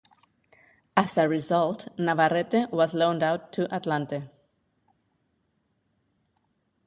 As a result, Navarrete was loaned out to Atlante.